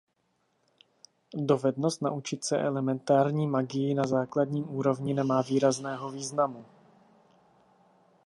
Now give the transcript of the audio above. Dovednost naučit se elementární magii na základní úrovni nemá výrazného významu.